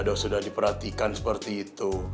sudah diperhatikan seperti itu